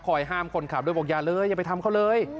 ห้ามคนขับด้วยบอกอย่าเลยอย่าไปทำเขาเลย